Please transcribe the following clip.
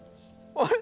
あれ？